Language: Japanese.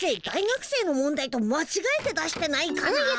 大学生の問題とまちがえて出してないかな。